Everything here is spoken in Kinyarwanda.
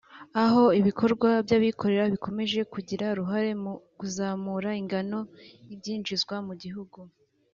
aho ibikorwa by’ abikorera bikomeje kugira uruhare mu kuzamura ingano y’ ibyinjizwa mu gihugu